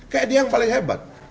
kayak dia yang paling hebat